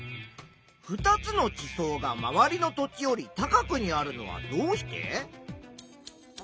２つの地層がまわりの土地より高くにあるのはどうして？